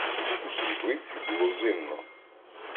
У світлиці було зимно.